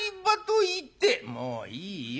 「もういいよ。